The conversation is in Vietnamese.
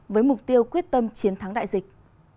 với mục tiêu quyết tâm chiến thắng đại dịch